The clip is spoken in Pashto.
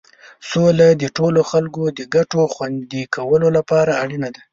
سوله د ټولو خلکو د ګټو خوندي کولو لپاره اړینه ده.